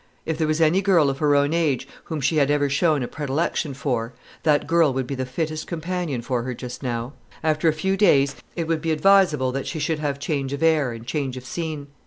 If there was any girl of her own age whom she had ever shown a predilection for, that girl would be the fittest companion for her just now. After a few days, it would be advisable that she should have change of air and change of scene.